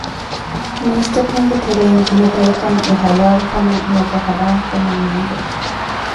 މީސްތަކުންގެ ތެރެއިން ގިނަ ބަޔަކަށް އެ ޙަލާލު ކަމެއް ނުވަތަ ޙަރާމް ކަމެއް ނޭނގެ